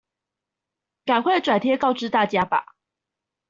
趕快轉貼告知大家吧！